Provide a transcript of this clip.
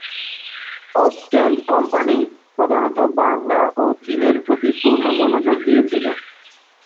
Ostend company প্রধানত বাংলা ও চীনের প্রতি পূর্ণ মনোযোগ দিয়েছিল।